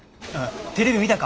テレビ見たか？